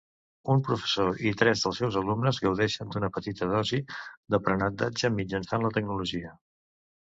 Un professor i tres dels seus alumnes gaudeixen d'una petita dosi d'aprenentatge mitjançant la tecnologia.